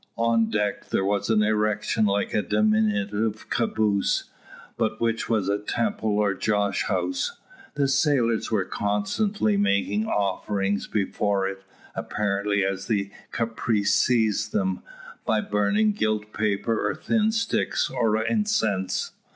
On deck there was an erection like a diminutive caboose, but which was a temple or joss house. The sailors were constantly making offerings before it, apparently as the caprice seized them, by burning gilt paper, or thin sticks, or incense.